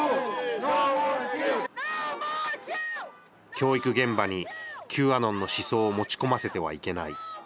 教育現場にＱアノンの思想を持ち込ませてはいけない。